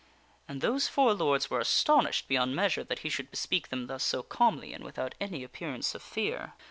And those four lords were astonished beyond measure that he should bespeak them thus so calmly and without any appearance of fear.